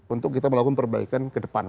untuk kita melakukan perbaikan ke depan